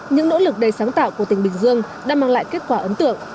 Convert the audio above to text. những nỗ lực đầy sáng tạo của tỉnh bình dương đã mang lại kết quả ấn tượng